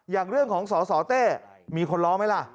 อย่างเรื่องของสสเต้มีคนล้อไหมล่ะ